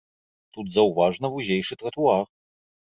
Тут заўважна вузейшы тратуар.